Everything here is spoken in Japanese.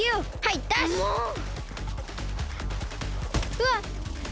うわっ！